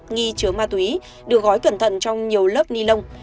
nghi chứa ma túy được gói cẩn thận trong nhiều lớp ni lông